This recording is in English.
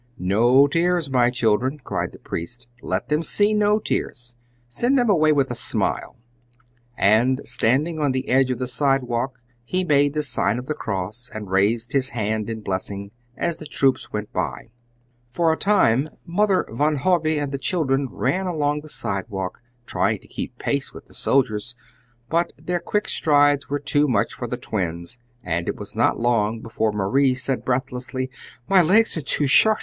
"No tears, my children!" cried the priest; "let them see no tears! Send them away with a smile!" And, standing on the edge of the sidewalk, he made the sign of the cross and raised his hand in blessing, as the troops went by. For a time Mother Van Hove and the children ran along the sidewalk, trying to keep pace with the soldiers, but their quick strides were too much for the Twins, and it was not long before Marie said, breathlessly, "My legs are too short!